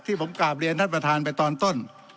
ผมกราบเรียนท่านประธานไปตอนต้น